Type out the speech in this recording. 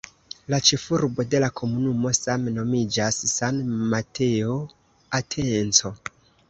La ĉefurbo de la komunumo same nomiĝas "San Mateo Atenco".